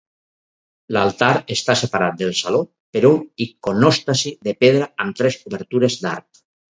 L'altar està separat del saló per un iconòstasi de pedra, amb tres obertures d'arc.